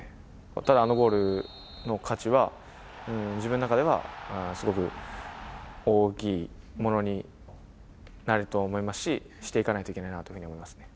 ただ、あのゴールの勝ちは、自分の中ではすごく大きいものになると思いますし、していかないといけないなというふうに思いますね。